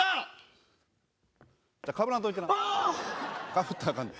かぶったらあかんで。